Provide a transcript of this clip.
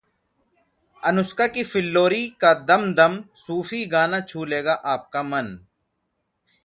अनुष्का की 'फिल्लौरी' का 'दम दम' सूफी गाना छू लेगा आपका मन